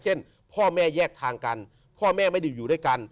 พ่อแม่แยกทางกันพ่อแม่ไม่ได้อยู่ด้วยกัน